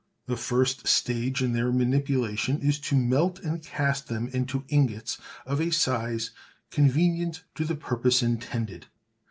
The first stage in their manipulation is to melt and cast them into ingots of a size convenient to the purpose intended.